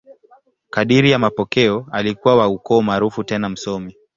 Kadiri ya mapokeo, alikuwa wa ukoo maarufu tena msomi.